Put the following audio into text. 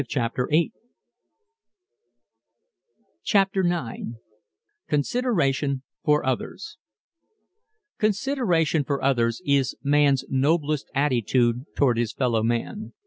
CHAPTER IX CONSIDERATION FOR OTHERS Consideration for others is man's noblest attitude toward his fellow man.